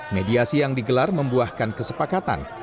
mediasi yang digelar membuahkan kesepakatan